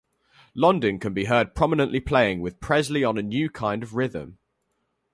Londin can be heard prominently playing with Presley on A New Kind Of Rhythm!